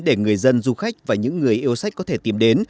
để người dân du khách và những người yêu sách có thể tìm đến